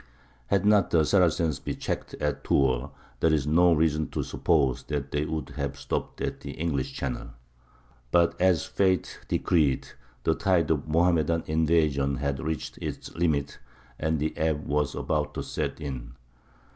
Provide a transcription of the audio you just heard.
Had not the Saracens been checked at Tours there is no reason to suppose that they would have stopped at the English Channel. But, as fate decreed, the tide of Mohammedan invasion had reached its limit, and the ebb was about to set in.